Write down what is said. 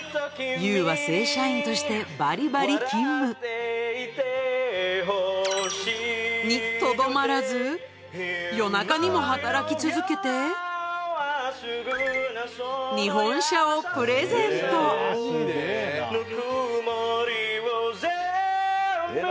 ＹＯＵは正社員としてバリバリ勤務。にとどまらず夜中にも働き続けて日本車をプレゼントえすげえな。